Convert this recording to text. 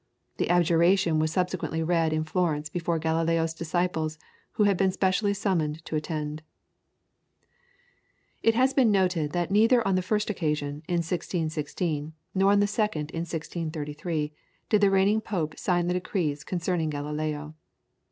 This abjuration was subsequently read in Florence before Galileo's disciples, who had been specially summoned to attend. It has been noted that neither on the first occasion, in 1616, nor on the second in 1633, did the reigning Pope sign the decrees concerning Galileo.